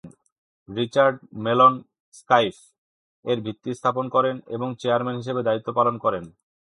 Richard Mellon Scaife এর ভিত্তি স্থাপন করেন এবং চেয়ারম্যান হিসেবে দায়িত্ব পালন করেন।